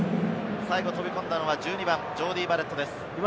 最後飛び込んだのは１２番ジョーディー・バレットです。